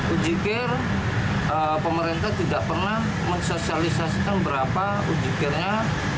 ujikir pemerintah tidak pernah mensosialisasikan berapa ujikirnya